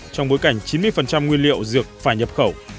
trong bối cảnh chín mươi nguyên liệu dược phải nhập khẩu